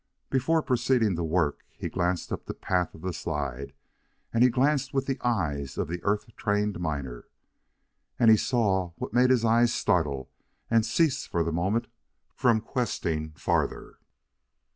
Before proceeding to work, he glanced up the path of the slide, and he glanced with the eye of the earth trained miner. And he saw what made his eyes startle and cease for the moment from questing farther.